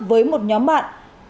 với một nhóm bạn